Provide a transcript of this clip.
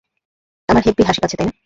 আমার হেব্বি হাসি পাচ্ছে, তাই না?